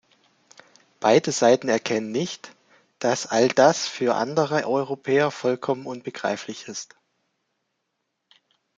Beide Seiten erkennen nicht, dass all das für andere Europäer vollkommen unbegreiflich ist.